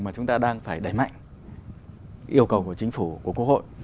mà chúng ta đang phải đẩy mạnh yêu cầu của chính phủ của quốc hội